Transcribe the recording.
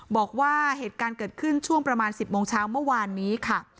บอกว่าเหตุการณ์เกิดขึ้นช่วงประมาณ๑๐โมงเช้าเมื่อวานนี้ค่ะ